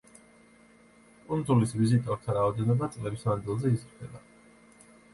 კუნძულის ვიზიტორთა რაოდენობა წლების მანძილზე იზრდება.